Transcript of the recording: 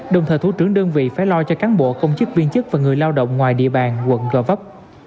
đồng thời thủ trưởng đơn vị phải lo cho cán bộ công chức viên chức và người lao động ngoài địa bàn quận gò vấp